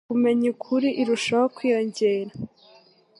kumenya ukuri irushaho kwiyongera.